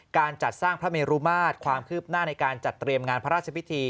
การจัดสร้างพระเมรุมาตรความคืบหน้าในการจัดเตรียมงานพระราชพิธี